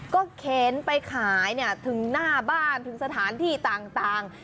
ก็เข็นไปขายถึงหน้าบ้านถึงสถานที่ต่าง